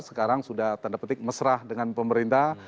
sekarang sudah tanda petik mesra dengan pemerintah